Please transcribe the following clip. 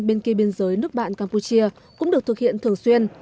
bên kia biên giới nước bạn campuchia cũng được thực hiện thường xuyên